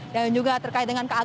dan juga terkait dengan keamanan